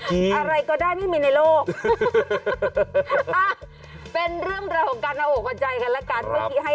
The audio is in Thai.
อะไรก็ได้ไม่มีในโลก